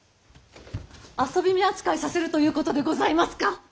遊び女扱いさせるということでございますか！？